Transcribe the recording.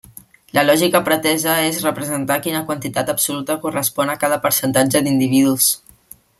La lògica pretesa és representar quina quantitat absoluta correspon a cada percentatge d'individus.